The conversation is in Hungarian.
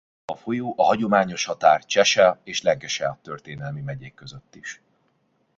A folyó a hagyományos határ Cheshire és Lancashire történelmi megyék között is.